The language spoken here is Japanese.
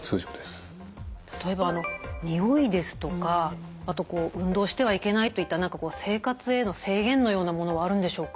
例えば臭いですとかあと運動してはいけないといった何か生活への制限のようなものはあるんでしょうか？